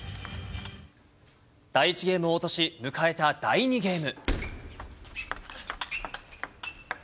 第１ゲームを落とし、迎えた第２ゲーム。